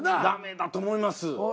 ダメだと思います。